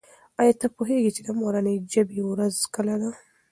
آیا ته پوهېږې چې د مورنۍ ژبې ورځ کله ده؟